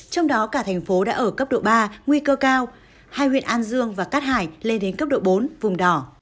trong đó cả thành phố đã ở cấp độ ba nguy cơ cao hai huyện an dương và cát hải lên đến cấp độ bốn vùng đỏ